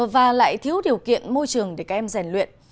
và lại thiếu điều kiện môi trường để các em rèn luyện